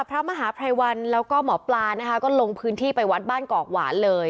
พระมหาภัยวันกับหมอปลาก็ลงพื้นที่ไปวัดบ้านเกาะหวานเลย